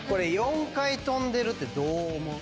４回跳んでるってどう思う？